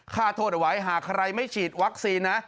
ข้าโทษไว้หากใครไม่ฉีดวัคซีน